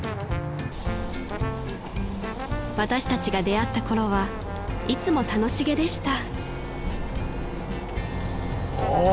［私たちが出会ったころはいつも楽しげでした］